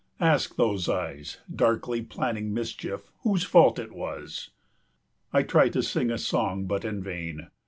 Ask those eyes, darkly planning mischief, whose fault it was. I try to sing a song, but in vain.